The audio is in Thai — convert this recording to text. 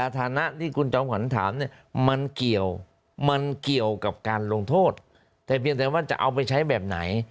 แต่เพียงแต่ว่าจะเอาไปใช้แบบไหน